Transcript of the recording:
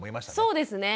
そうですね。